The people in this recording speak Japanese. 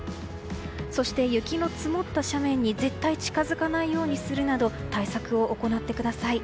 そして雪の積もった斜面に絶対近づかないようにするなど対策を行ってください。